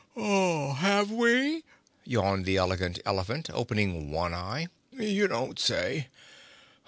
"Have we?" yawned the Elegant Elephant, opening one eye. "You don't say?